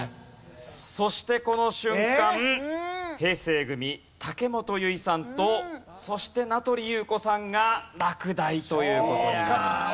そしてこの瞬間平成組武元唯衣さんとそして名取裕子さんが落第という事になります。